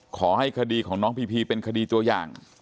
ขอให้คดีของน้องพีพีเป็นคดีตัวอย่าง